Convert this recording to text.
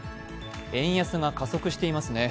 円安が加速していますね。